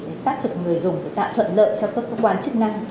để xác thực người dùng để tạo thuận lợi cho các cơ quan chức năng